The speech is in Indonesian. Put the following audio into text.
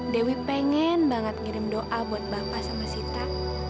dewi pengen banget ngirim doa buat bapak sama sita